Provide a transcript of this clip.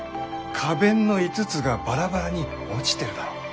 花弁の５つがバラバラに落ちてるだろ？